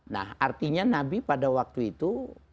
nah artinya nabi pada waktu itu